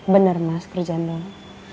bener mas kerjaan doang